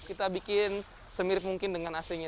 kita bikin semirip mungkin dengan aslinya